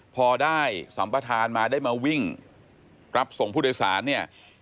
พอได้สัมประธานมาได้มาวิ่งรับส่งผู้โดยสารเนี่ย